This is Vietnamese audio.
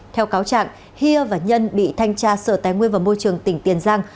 theo cáo trạng hia và nhân bị thanh tra sở tài nguyên và môi trường tỉnh tiền giang